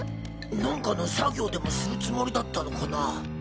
何かの作業でもするつもりだったのかな？